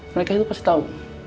mereka itu pasti tau